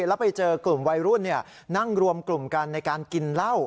แล้วไปเจอกลุ่มวัยรุ่นนั่งรวมกลุ่มกันในการกินเหล้า